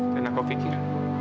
dan aku pikir